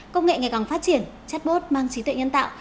công nghệ ngày càng phát triển chatbot mang trí tuệ nhân tạo